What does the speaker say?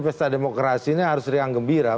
pesta demokrasi ini harus riang gembira